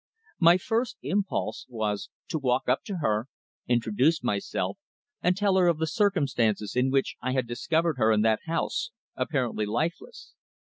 My first impulse was, to walk up to her, introduce myself and tell her of the circumstances in which I had discovered her in that house, apparently lifeless.